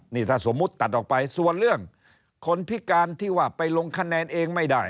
นี่ถ้าสมมุติตัดออกไปส่วนเรื่องคนพิการที่ว่าไปลงคะแนนเองไม่ได้